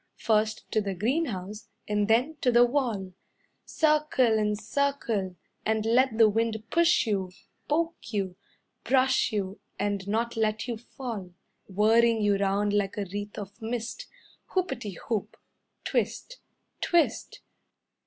First to the greenhouse and then to the wall Circle and circle, And let the wind push you, Poke you, Brush you, And not let you fall. Whirring you round like a wreath of mist. Hoopety hoop, Twist, Twist."